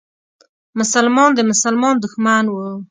مسلمان د مسلمان دښمن و.